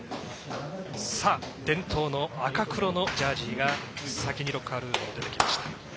伝統の赤黒のジャージが先にロッカールームを出てきました。